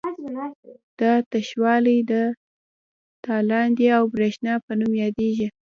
دا تشوالی د تالندې او برېښنا په نوم یادیږي.